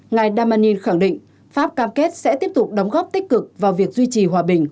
ngài damanin khẳng định pháp cam kết sẽ tiếp tục đóng góp tích cực vào việc duy trì hòa bình